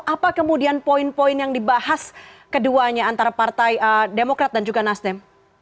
apa kemudian poin poin yang dibahas keduanya antara partai demokrat dan juga nasdem